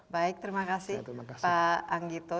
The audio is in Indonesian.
baik terima kasih pak anggito